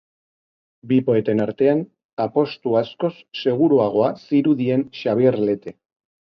Bi poeten artean, apustu askoz seguruagoa zirudien Xabier Lete.